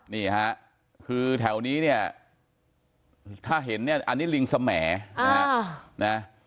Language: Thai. นี่ฮะคือแถวนี้เนี่ยถ้าเห็นเนี่ยอันนี้ลิงสมแหนะฮะ